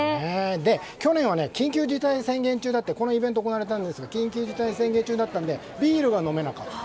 去年は緊急事態宣言にこのイベントが行われたんですが緊急事態宣言中だったのでビールが飲めなかった。